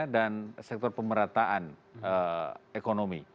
dan sektor pemerataan ekonomi